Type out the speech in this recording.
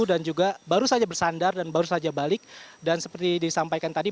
dan juga baru saja bersandar dan baru saja balik dan seperti disampaikan tadi